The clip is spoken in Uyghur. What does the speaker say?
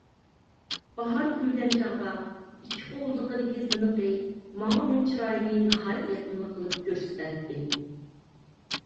باھار كۈلگەن چاغدا ئىككى قوۋزىقىدىكى زىنىقى ماڭا ئۇنىڭ چىرايىنى ناھايىتى يېقىملىق قىلىپ كۆرسىتەتتى.